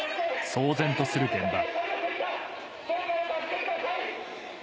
騒然とする現場。